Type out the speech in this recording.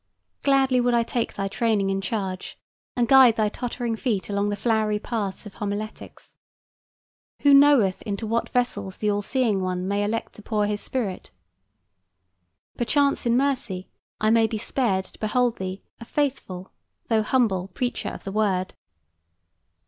Gladly would I take thy training in charge, and guide thy tottering feet along the flowery paths of Homiletics. Who knoweth into what vessels the All seeing One may elect to pour his spirit? Perchance in mercy I may be spared to behold thee a faithful though humble preacher of the Word.